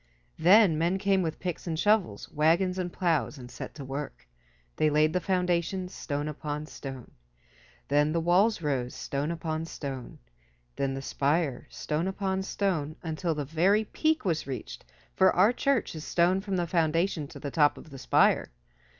Then men came with picks and shovels, wagons and plows, and set to work. They laid the foundations, stone upon stone. Then the walls rose, stone upon stone. Then the spire, stone upon stone, until the very peak was reached, for our church is stone from the foundation to the top of the spire.